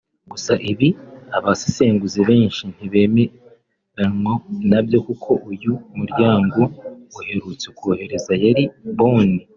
Gusa ibi abasesenguzi benshi ntibemeranwa nabyo kuko uyu muryango uherutse kohereza Yayi Boni